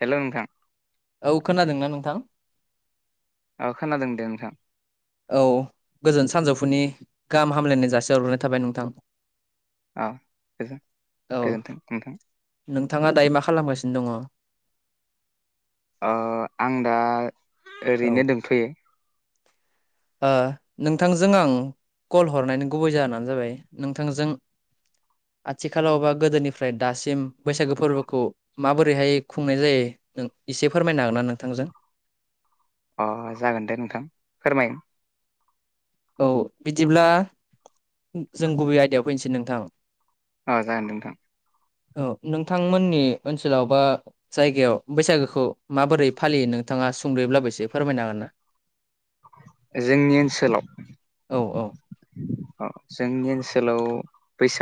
Hello नोंथां? औ खोनादोंना नोंथां? औ खोनादों दे नोंथां। औ गोजोन सानजौफुनि गाहाम हामलायनाय जासिहरग्रोनाय थाबाय नोंथां। औ गोजोन गोजोन्थों नोंथां। थांङा दायो मा खालामगासिनो दंङ? आं दा ओरैनो दंथ'यो ओ नोंथांजों आं कल हरनायनि गुबै जाहोनानो जाबाय नोंथांजों आथिखालावबा गोदोनिफ्राय दासिम बैसागो फोरबोखौ माबोरैहाय खुंनाय जायो नों इसे फोरमायनो हागोन ना नोंथांजों अ जागोन दे नोंथां फोरमायगोन औ बिदिब्ला जों गुबै आयदायाव फैसै नोंथां अ जागोन नोंथां औ नोंथांमोननि ओनसोलाव बा जायगायाव बैसागोखौ माबोरै फालियो नो नोंथाङा सुंद्रयोब्लाबो एसे फोरमायनो हागोन ना जोंनि ओनसोलाव औ औ जोंनि ओनसोलाव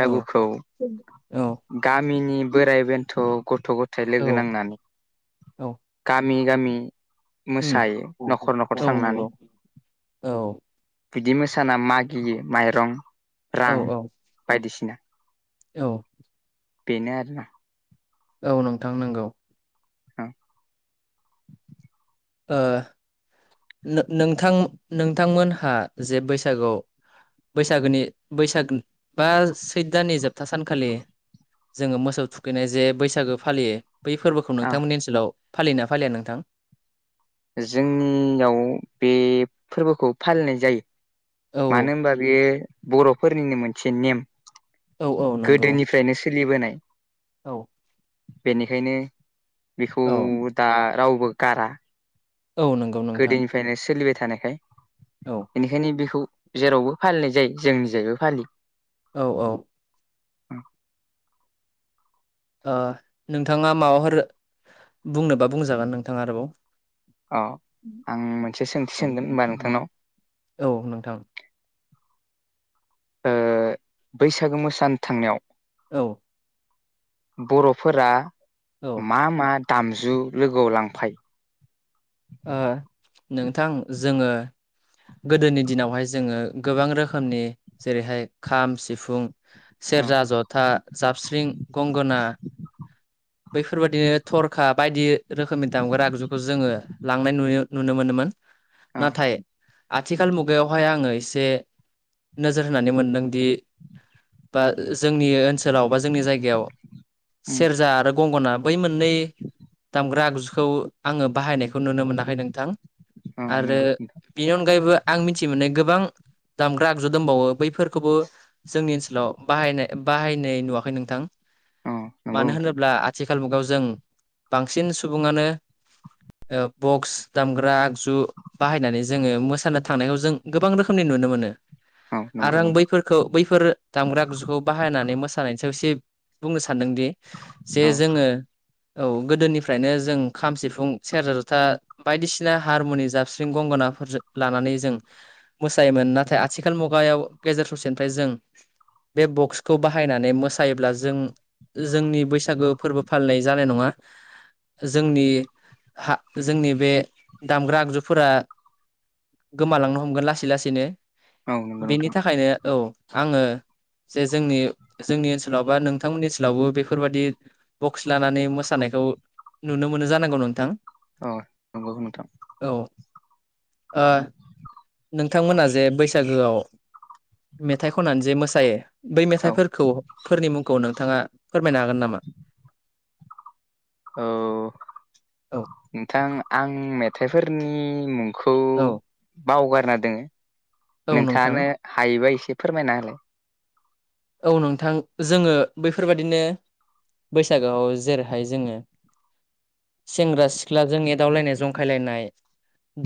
औ औ गामिनि बोराइ बेन्थ' गथ' गथाय लोगो औ नांनानै गा औ गामि गामि उम मोसायो न'खर न'खर औ थांनानै नंगौ औ बिदि मोसाना मागियो माइरं औ रां औ बायदिसिना औ बेनो आरो ना औ नोंथां नंगौ ह ओ नो नोंथां नोंथांमोनहा जे बैसागुयाव बैसागोनि बैसाग बा सैद दाननि जोबथा सानखालि जोङो मोसौ थुखैनाय जे बैसागो फालियो बै फोरबोखौ औ अ नोंथांमोननि ओनसोलाव फालियोना फालिया नोंथां जोंनियाव बे फोरबोखौ फालिनाय जायो औ मानो होनबा बे बर'फोरनिनो मोनसे नेम औ औ नंगौ गोदोनिफ्रायनो सोलिबोनाय औ बेनिखायनो बेखौ औ दा रावबो गारा औ नंगौ नोंथां गोदोनिफ्रायनो सोलिबाय थानायखाय औ बेनिखायनो बेखौ जेरावबो फालिनाय जायो जोंनि जायगायावबो फालियो औ औ औ ओ नोंथाङा माबाफोर बुंनोबा बुंजागोन नोंथाङा आरोबाव औ आं मोनसे सोंथि सोंगोन होनबा नोंथांनाव औ नोंथां ओ बैसागो मोसानो थांनायाव औ बर'फोरा औ ओ मा मा दामजु लोगोआव लांफायो ओ नोंथां जोङो गोदोनि दिनावहाय जोङो गोबां रोखोमनि जेरैहाय खाम सिफुं अ सेरजा जथा जाबस्रिं गंगोना बैफोरबादिनो थरखा बायदि रोखोमनि दामग्रा आगजुखौ जोङो लांनाय नु नुनो मोनोमोन अ नाथाय आथिखाल मुगायावहाय आङो एसे नोजोर होनानै मोनदों दि बा जोंनि ओनसोलाव बा जोंनि जायगायाव उम सेरजा आरो गंगना बै मोननै दामग्रा आगजुखौ आङो बाहायनायखौ नुनो मोनाखै नोंथां अ आरो नंगौ नोंथां बेनि अनगायैबो आं मिथि मोननाय गोबां दामग्रा आगजु दोंबावो बैफोरखौबो जोंनि ओनसोलाव बाहायनाय बाहायनाय नुवाखै नोंथां अ नंगौ मानो नोंथां होनोब्ला आथिखाल मुगायाव जों बांसिन सुबुङानो ओ बक्स दामग्रा आगजु बाहायनानै जोङो मोसानो थांनायखौ जों गोबां रोखोमनि नुनो मोनो औ आरो नंगौ आं नोंथां बैफोरखौ बैफोर दामग्रा आगजुखौ बाहायनानै मोसानायनि सायाव एसे बुंनो सान सानदोंदि जे औ जोङो औ गोदोनिफ्रायनो जों खाम सिफुं सेरजा जथा बायदिसिना हारमुनि जाबस्रिं गंगोना फोरजों लानानै जों मोसायोमोन नाथाय आथिखाल मुगायाव गेजेर ससेनिफ्राय जों बे बक्सखौ बाहायनानै मोसायोब्ला जों जोंनि बैसागो फोरबो फालिनाय जानाय नङा जोंनि हा जोंनि बे दामग्रा आगजुफोरा गोमालांनो हमगोन लासै लासैनो औ नंगौ बेनि नोंथां थाखायनो औ आङो जे जोंनि जोंनि ओनसोलाव बा नोंथांमोननि ओनसोलावबो बेफोरबाददि बक्स लानानै मोसानाय खौ नुनो मोनो जानांगौ नोंथां औ नंगौ नोंथां औ ओ नोंथांमोना जे बैसागोआव मेथाइ खननानै जे मोसायो बै औ मेथाइफोरखौ फोरनि मुंखौ नोंथाङा फोरमायनो हागोन नामा औ औ नोंथां आं मेथाइफोरनि मुं खौ औ बावगारना दोङो औ नोंथां नोंथाङानो हायोबा एसे फोरमायना होलाय औ नोंथां जोङो बैफोरबायदिनो बैसागोआव जेरैहाय जोङो सेंग्रा सिख्लाजों एदावलायनाय जंखायलायनाय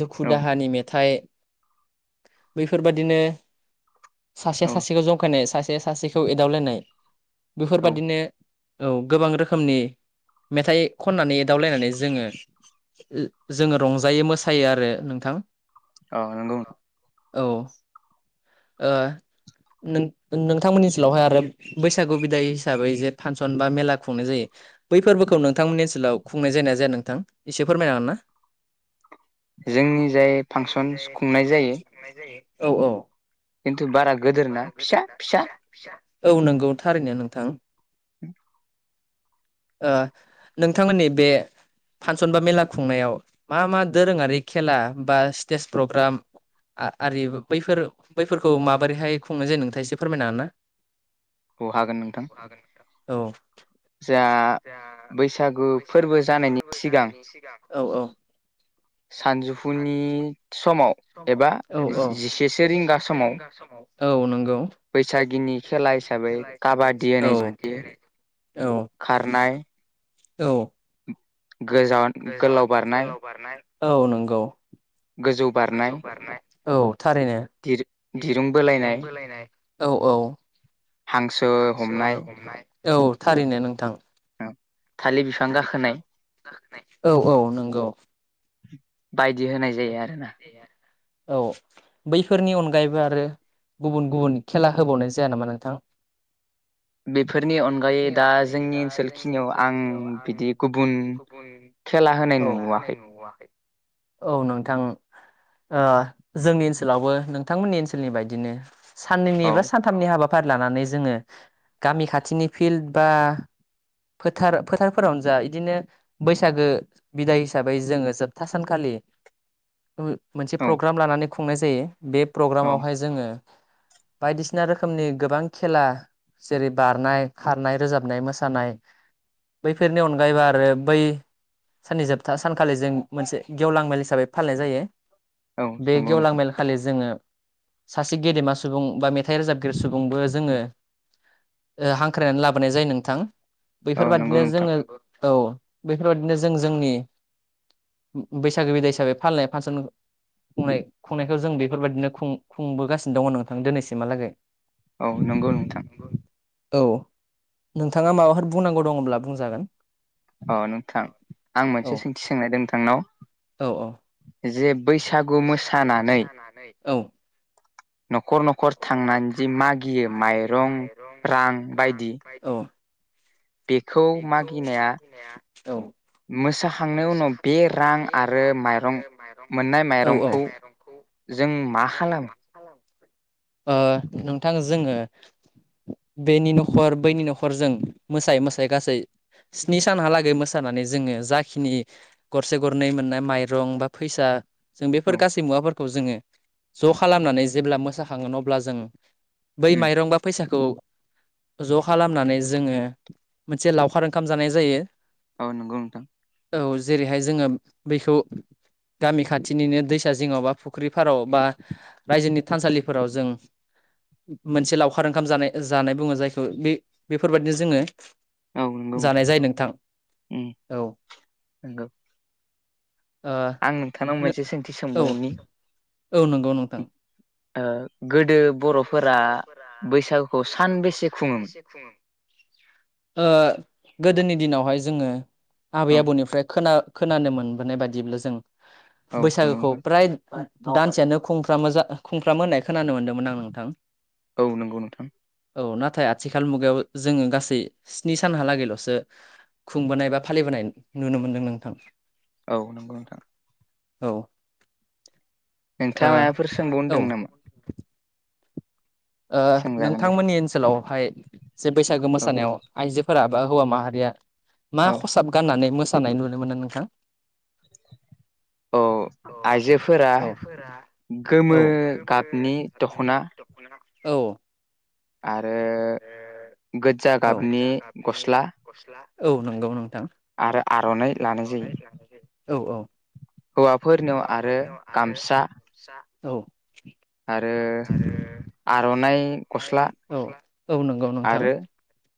दुखु औ दाहानि मेथाइ बैफोरबायदिनो सासेया औ सासेखौ जंखायनाय सासे सासेखौ एदावलायनाय औ बेफोरबादिनो औ गोबां रोखोमनि मेथाइ खननानै एदावलायनानै जोङो ओ जोङो रंजायो मोसायो आरो नोंथां अ नोंगौ नोंथां औ ओ नों नोंथांमोननि सोलावहाय आरो बैसागु बिदाय हिसाबै जे फांसन बा मेला खुंनाय जायो बैफोरबो खौ नोंथांमोननि ओनसोलाव खुंनाय जाया जाया नोंथां एसे फोरमायनो हागोन ना जोंनिजाय फांसन खुंनाय जायो औ औ खिन्थु बारा गोदोर ना फिसा फिसा औ नंगौ थारैनो नोंथां ओ नोंथांमोननि बे फानसन बा मेला खुंनायाव मा मा दोरोङारि खेला बा स्टेस प्रग्राम आरि बैफोर बैफोरखौ माबोरैहाय खुंनाय जायो नोंथाङा एसे फोरमायनो हागोन ना औ हागोन नोंथां औ जा बैसागु फोरबो जानायनि सिगां औ औ सानजौफुनि समाव एबा औ औ जिसेसो रिंगा सेसे समाव रिंगा समाव औ नंगौ बैसागिनि खेला हिसाबै काबादि औ होनाय जायो औ खारनाय औ गोजान गोलाव बारनाय औ नंगौ गोजौ बारनाय औ थारैनो दिरुं बोलायनाय औ औ हांसो हमनाय औ थारैनो नोंथां थालिर बिफां गाखोनाय औ औ नंगौ बायदि होनाय जायो आरोना औ बैफोरनि अनगायैबो आरो गुबुन गुबुन खेला होबावनाय जाया नामा नोंथां बेफोरनि अनगायै दा जोंनि ओनसोलखिनियाव आं बिदि गुबुन खेला होनाय नुवाखै औ औ नोंथां जोंनि ओनसोलावबो नोंथांमोननि ओनसोलनि बायदिनो साननैनि औ बा सानथामनि हाबाफारि लानानै जोङो गामि खाथिनि फिल्ड बा फोथार फोथारफोरावनो जा बिदिनो बैसागो बिदाय हिसाबै जोङो जोबथा सानखालि मोनसे औ प्रग्राम लानानै खुंनाय जायो बे औ प्रग्रामावहाय जोङो बायदिसिना रोखोमनि गोबां खेला जेरै बारनाय खारनाय रोजाबनाय मोसानाय बैफोरनि अनगायैबो आरो बै साननै जोबथा सानखालि जों मोनसे गेवलां मेल हिसाबै फालिनाय जायो औ बे नंगौ गेवलां नोंथां मेल खालि जोङो सासे गेदेमा सुबुं बा मेथाइ रोजाबगिरि सुबुंबो जोङो हांख्रायनानै लाबोनाय जायो नोंथां औ नंगौ बैफोरबादिनो नोंथां जोङो औ बेफोरबायदिनो जों जोंनि बैसागो बिदाय हिसाबै फालिनाय फांसन- खुंनाय खुंनायखौ जों बेफोरबायदिनो खुंबोगासिनो दङ नोंथां दिनैसिमहालागै औ नंगौ नोंथां औ नोंथाङा माबाफोर बुंनांगौ दङब्ला बुंजागोन अ नोंथां आं औ मोनसे सोंथि सोंनायदों नोंथांनाव औ औ जे बैसागु मोसानानै औ न'खर न'खर थांनानै जि मागियो माइरं रां बायदि बेखौ मागिनाया औ मोसाखांनायनि उनाव बे रां आरो माइरं मोननाय औ माइरंखौ जों मा खालामो नोंथां जोङो बेनि न'खर बैनि न'खरजों मोसायै मोसायै गासै स्नि सानहालागै मोसानानै जोङो जाखिनि गरसे गरनै मोननाय माइरं बा फैसा जों औ बेफोर गासै मुवाफोरखौ जोङो ज' खालामनानै जेब्ला मोसाखांगोन अब्ला जों बै उम माइरंबा फैसा- खौ ज' खालामनानै जोङो मोनसे लावखार ओंखाम जानाय जायो। आ नंगौ नोंथां औ जेरैहाय जोङो बैखौ गामिखौ खाथिनिनो दैसा जिङाव बा फुख्रिफोराव बा रायजोनि थानसालिफोराव जों मोनसे लावखार ओंखाम जानाय जानाय बुङो जायखौ बे बेफोरबायदिनो जोङो औ नंगौ जानाय जायो नोंथां उम औ नंगौ आं नोंथांनाव मोनसे सोंथि ओ औ सोंबावनि औ नंगौ नोंथां गोदो बर'फोरा बैसागुखौ सानबेसे खुङोमोन। गोदोनि दिनावहाय जोङो आबै औ आबौनिफ्राय खोना खोनानो मोनबोनाय बायदिब्ला जों औ नंगौ बैसागोखौ नोंथां फ्राय दानसेयानो खुंफ्रामो जा खुंफ्रामो होननाय खोनानो मोनदोंमोन। औ नंगौ नोंथां थाय आथिखाल मुगायाव जोङो गासै स्नि सानहालागैल'सो खुंबोनाय बा फालिबोनाय नुनो मोनदों नोंथां। औ नंगौ नोंथां औ नोंथाङा माबाफोर सोंबावनो दों औ नामा ओ सोंजागोन दे नोंथांमोननि ओनसोलावहाय जे बैसागो औ मोसानायाव आइजो फोर बा हौवा माहारिया मा औ खसाब गाननानै मोसानाय नुनो मोना नोंथां? [inaudible] औ आइजोफोरा औ गोमो औ गाबनि दख'ना औ आरो गो्जा औ गाबनि गस्ला औ नंगौ नंगौ आरो आर'नाइ लानाय जायो औ औ हौवाफोरनियाव आरो गामसा औ आरो आर'नाइ गस्ला औ औ नंगौ नोंथां। आरो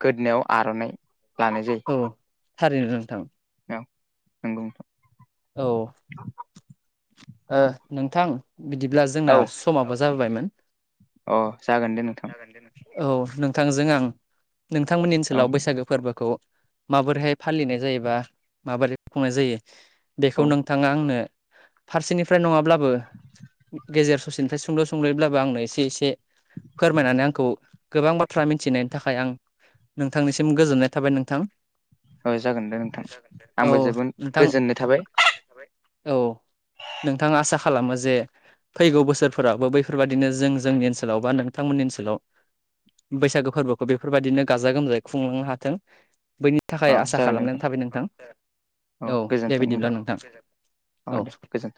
गोदोनायाव आर'नाइ लानाय जायो औ थारैनो नोंथां औ नंगौ नोंथां औ ओ नोंथां बिदिब्ला औ जोंना समाबो जाबोबायमोन। अ जागोन दे नोंथां औ नोंथांजों आं नोंथांमोननि औ ओनसोलाव बैसागो फोरबो खौ माबोरैहाय फालिनाय जायोबा माबोरै खुंनाय जायो बेखौ औ नोंथाङा आंनो फारसेनिफ्राय नङाब्लाबो गेजेर ससेनिफ्राय सुंल' संल'ब्लाबो आंनो एसे एसे फोरमायनानै आंखौ गोबां बाथ्रा मिथिनायनि थाखाय आं नोंथांनिसिम गोजोननाय थाबाय नोंथां। औ जागोन दे नोंथां औ आंबो जोबोद नोंथां गोजोननाय थाबाय औ नोंथाङा आसा खालामो जे फैगौ बोसोरफोरावबो बैफोरबाददिनो जों जोंनि ओनसोलाव बा नोंथांमोननि ओनसोलाव बैसागो फोरबोखौ बेफोरबायदिनो गाजा गोमजायै खुंलांनो हाथों बैनि थाखाय औ आसा जागोन खालामनाय थाबाय नोंथां। औ दे बिदिब्ला नोंथां औ। दे गोजोन्थों